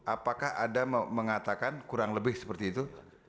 apakah ada mengatakan kurang lebih seperti itu